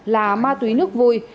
là ma túy nước vui